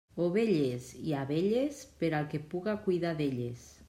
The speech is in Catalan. Ovelles i abelles, per al que puga cuidar d'elles.